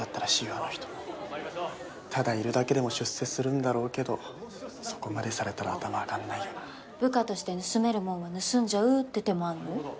あの人ただいるだけでも出世するんだろうけどそこまでされたら頭上がんないよな部下として盗めるもんは盗んじゃうって手もあるのよ？